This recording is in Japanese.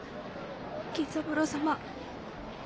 源三郎様。